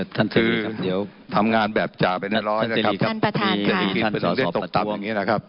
ท่านเจรีย์ครับเดี๋ยวท่านเจรียร์มีท่านสอพระท่วง